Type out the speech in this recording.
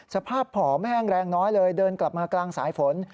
สภาพผอแม่งแรงน้อยเลยเดินกลับมากลางสายฝน